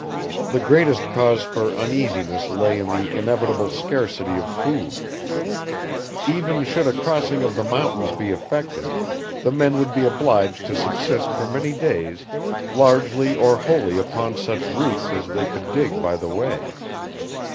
The greatest cause for uneasiness lay in the inevitable scarcity of food. Even should a crossing of the mountains be effected, the men would be obliged to subsist for many days largely or wholly upon such roots as they could dig by the way.